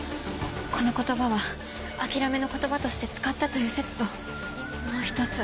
この言葉は諦めの言葉として使ったという説ともう１つ。